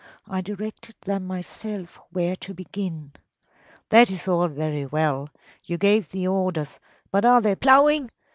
I directed them myself where to begin.‚ÄĚ “That is all very well. You gave the orders, but are they ploughing?